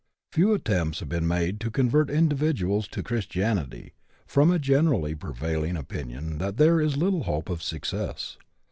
Few attempts have been made to convert individuals to Christianity, from a generally prevailing opinion that there is little hope of success.